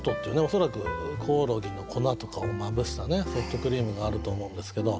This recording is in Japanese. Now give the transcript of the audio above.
恐らくコオロギの粉とかをまぶしたソフトクリームがあると思うんですけど。